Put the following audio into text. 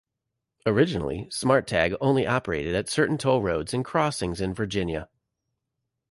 Originally, Smart Tag only operated at certain toll roads and crossings in Virginia.